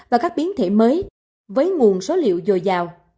và các biến thể mới với nguồn số liệu dồi dào